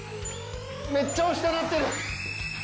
めっちゃ押したなってる。